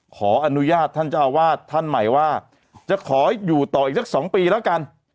ขออนุญาตท่านเจ้าอาวาสท่านใหม่ว่าจะขออยู่ต่ออีกสัก๒ปีแล้วกัน